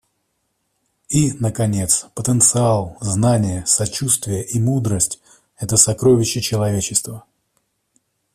И, наконец, потенциал, знания, сочувствие и мудрость — это сокровища человечества.